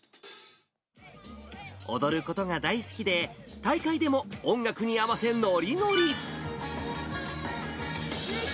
踊ることが大好きで、大会でも音楽に合わせのりのり。